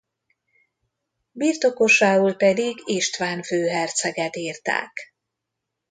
Birtokosául pedig István főherceget írták.